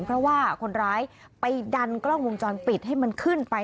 เพราะว่าคนร้ายไปดันกล้องวงจรปิดให้มันขึ้นไป